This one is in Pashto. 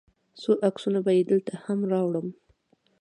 څو عکسونه به یې دلته هم راوړم.